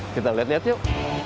kita lihat lihat yuk